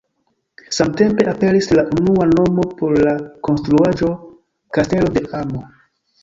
Samtempe aperis la unua nomo por la konstruaĵo: "Kastelo de amo".